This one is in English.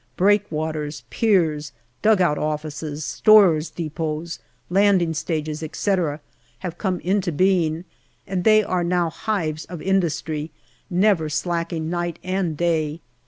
Breakwaters, piers, dugout offices, stores depots, landing stages, etc., have come into being, and they are now hives of industry, never slacking night and day.